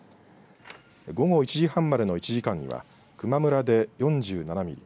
午後１時半までの１時間には球磨村で４７ミリ